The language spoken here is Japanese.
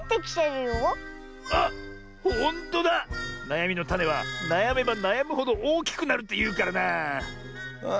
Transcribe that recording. なやみのタネはなやめばなやむほどおおきくなるっていうからなあ。